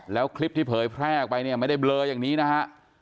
แล้วคลิปที่เผยแพร่ออกไปเนี่ยไม่ได้เบลออย่างนี้นะฮะ